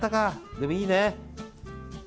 でもいいね。